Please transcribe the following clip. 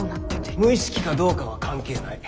無意識かどうかは関係ない。